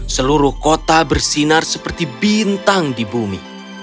seluruh kota bersinar seperti bintang di bumi